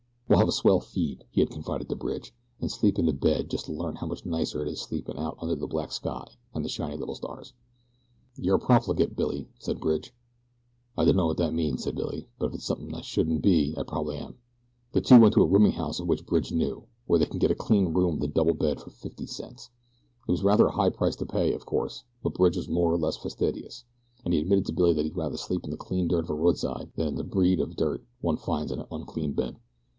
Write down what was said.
"We'll have a swell feed," he had confided to Bridge, "an' sleep in a bed just to learn how much nicer it is sleepin' out under the black sky and the shiny little stars." "You're a profligate, Billy," said Bridge. "I dunno what that means," said Billy; "but if it's something I shouldn't be I probably am." The two went to a rooming house of which Bridge knew, where they could get a clean room with a double bed for fifty cents. It was rather a high price to pay, of course, but Bridge was more or less fastidious, and he admitted to Billy that he'd rather sleep in the clean dirt of the roadside than in the breed of dirt one finds in an unclean bed.